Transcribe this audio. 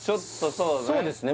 そうですね